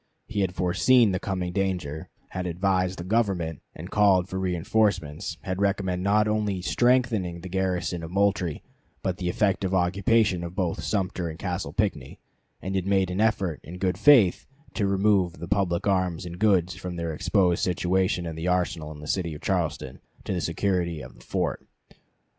He had foreseen the coming danger, had advised the Government, and called for reënforcements; had recommended not only strengthening the garrison of Moultrie, but the effective occupation of both Sumter and Castle Pinckney; and had made an effort in good faith to remove the public arms and goods from their exposed situation in the arsenal in the city of Charleston, to the security of the fort.